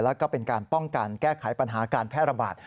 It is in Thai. แล้วก็เป็นการป้องกันแก้ไขปัญหาการแพร่ระบาด